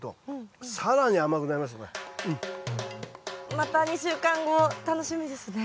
また２週間後楽しみですね。